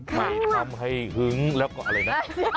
ไม่ทำให้หึงแล้วก็อะไรนะ